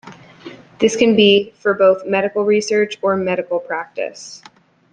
This can be for both medical research or medical practice.